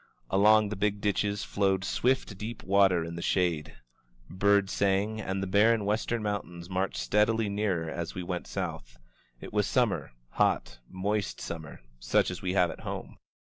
Along the big ditches flowed swift, deep water in the shade. Birds sang, and the barren western mountains marched steadily nearer as we went south. It was siunmer — ^hot, moist siunmer, such as we have at home.